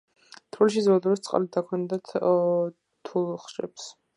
თბილისში ძველ დროს წყალი დაქონდათ თულუხჩებს